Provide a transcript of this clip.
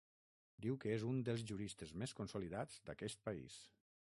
Diu que és ‘un dels juristes més consolidats d’aquest país’.